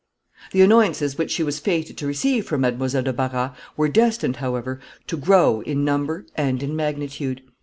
The annoyances which she was fated to receive from Mademoiselle de Barras were destined, however, to grow in number and in magnitude.